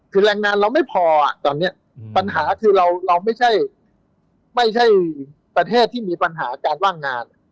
คือแรงงานเราไม่พอตอนนี้ปัญหาคือเราไม่ใช่ประเทศที่มีปัญหาการว่างงาน